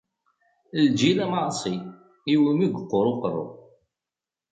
Lǧil amɛaṣi, iwumi i yeqqur uqerru.